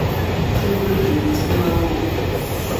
Nggbe de fun nung o.